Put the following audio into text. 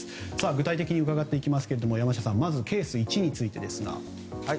具体的にうかがっていきますがまずケース１についてですが。